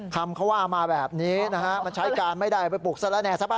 คำเขาว่ามาแบบนี้มันใช้การไม่ได้ไปปลูกสระแหน่